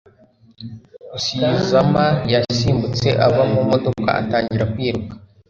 Rusizama yasimbutse ava mu modoka atangira kwiruka.